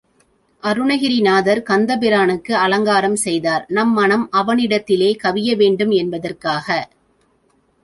அருணகிரிநாதர் கந்தபிரானுக்கு அலங்காரம் செய்தார், நம் மனம் அவனிடத்திலே கவிய வேண்டும் என்பதற்காக.